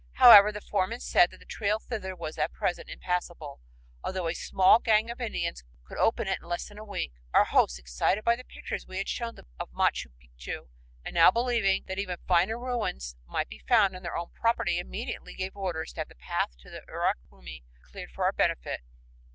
However, the foreman said that the trail thither was at present impassable, although a small gang of Indians could open it in less than a week. Our hosts, excited by the pictures we had shown them of Machu Picchu, and now believing that even finer ruins might be found on their own property, immediately gave orders to have the path to Yurak Rumi cleared for our benefit.